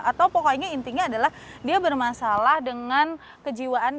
atau pokoknya intinya adalah dia bermasalah dengan kejiwaan